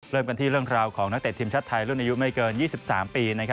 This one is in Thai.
เริ่มกันที่เรื่องราวของนักเตะทีมชาติไทยรุ่นอายุไม่เกิน๒๓ปี